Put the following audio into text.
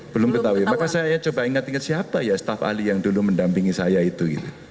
belum ketahui maka saya coba ingat ingat siapa ya staff ahli yang dulu mendampingi saya itu